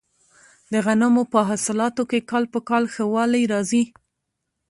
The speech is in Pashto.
د غنمو په حاصلاتو کې کال په کال ښه والی راځي.